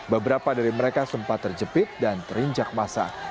beberapa dari mereka sempat terjepit dan terinjak masa